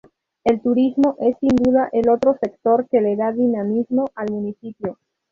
El turismo es sin duda el otro sector que le da dinamismo al municipio.